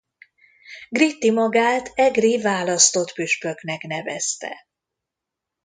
Gritti magát egri választott püspöknek nevezte.